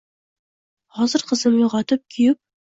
Hozir qizim uyg‘otib, kuyib